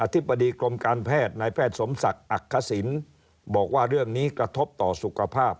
ธิบดีกรมการแพทย์นายแพทย์สมศักดิ์อักษิณบอกว่าเรื่องนี้กระทบต่อสุขภาพ